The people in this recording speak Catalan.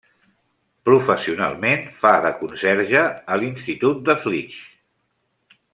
Professionalment, fa de conserge a l'Institut de Flix.